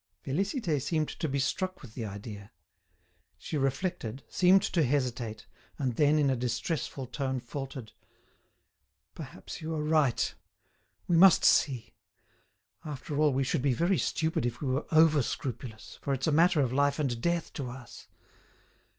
Félicité seemed to be struck with the idea. She reflected, seemed to hesitate, and then, in a distressful tone faltered: "Perhaps you are right. We must see. After all we should be very stupid if we were over scrupulous, for it's a matter of life and death to us.